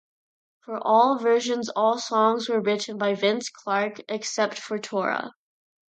For all versions, all songs were written by Vince Clarke, except for Tora!